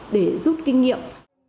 để giúp kinh nghiệm